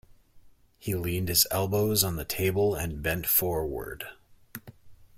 He leaned his elbows on the table and bent forward.